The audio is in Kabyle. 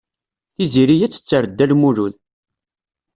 Tiziri ad tetter Dda Lmulud.